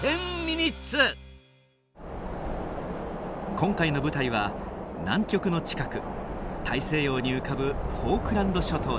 今回の舞台は南極の近く大西洋に浮かぶフォークランド諸島です。